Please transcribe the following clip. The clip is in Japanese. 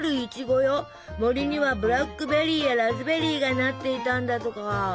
森にはブラックベリーやラズベリーがなっていたんだとか。